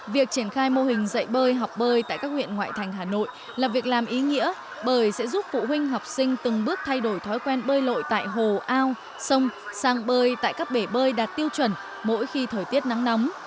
việc triển khai mô hình dạy bơi học bơi tại các huyện ngoại thành hà nội là việc làm ý nghĩa bởi sẽ giúp phụ huynh học sinh từng bước thay đổi thói quen bơi lội tại hồ ao sông sang bơi tại các bể bơi đạt tiêu chuẩn mỗi khi thời tiết nắng nóng